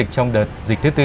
anh ơi chú